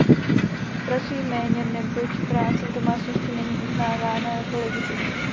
Pracují méně, neboť práce v domácnosti není uznávána jako legitimní.